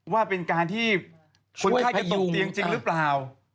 ว่าเป็นการที่คนไข้จะตกเตียงจริงหรือเปล่า